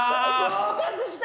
合格した！